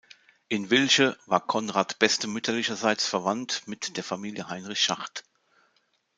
In Wilsche war Konrad Beste mütterlicherseits verwandt mit der Familie Heinrich Schacht.